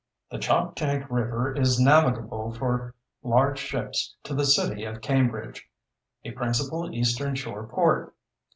"'The Choptank River is navigable for large ships to the city of Cambridge, a principal Eastern Shore port.